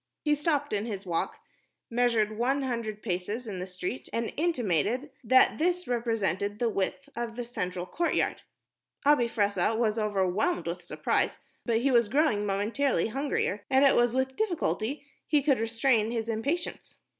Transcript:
He stopped in his walk, measured one hundred paces in the street, and intimated that this represented the width of the central courtyard. Abi Fressah was overwhelmed with surprise, but he was growing momentarily hungrier, and it was with difficulty he could restrain his impatience.